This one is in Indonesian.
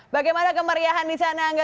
bagaimana kemeriahan di sana angga